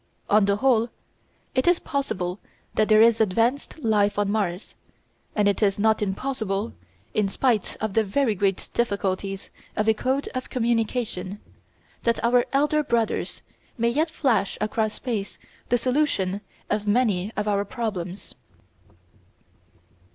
On the whole, it is possible that there is advanced life on Mars, and it is not impossible, in spite of the very great difficulties of a code of communication, that our "elder brothers" may yet flash across space the solution of many of our problems.